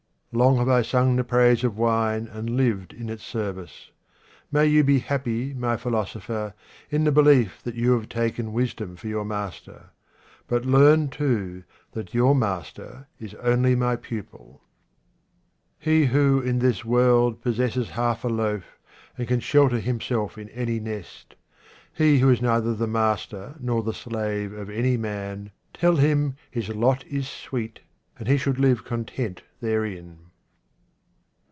Long have I sung the praise of wine and lived in its service. May you be happy, my philo sopher, in the belief that you have taken wisdom for your master ; but learn, too, that your master is only my pupil. He who, in this world, possesses half a loaf, and can shelter himself in any nest ; he who is neither the master nor the slave of any man, tell him his lot is sweet, and he should live con tent therein.